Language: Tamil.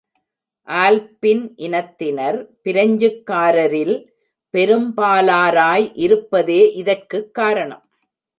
ஆல்ப்பின் இனத்தினர் பிரெஞ்சுக்காரரில் பெரும்பாலாராய் இருப்பதே இதற்குக் காரணம்.